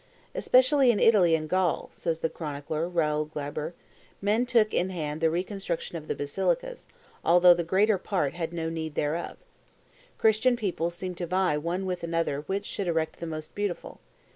"Especially in Italy and in Gaul," says the chronicler Raoul Glaber, "men took in hand the reconstruction of the basilicas, although the greater part had no need thereof. Christian peoples seemed to vie one with another which should erect the most beautiful.